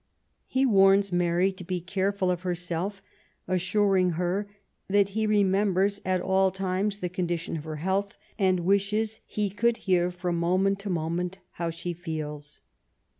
He warns Mary to be careful of herself, assuring her that he remem bers at all times the condition of her health, and wishes he could hear from moment to moment how she feels.